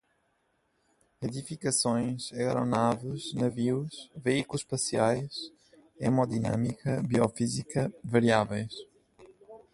edificações, aeronaves, navios, veículos espaciais, hemodinâmica, biofísica, variáveis